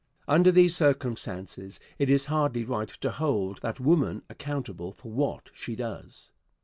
Under these circumstances, it is hardly right to hold that woman accountable for what she does.